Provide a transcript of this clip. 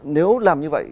nếu làm như vậy